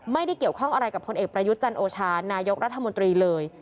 ไม่ได้เกี่ยวข้องอะไรกับพลเอกประยุทธ์จันโอชานายกรัฐมนตรีเลย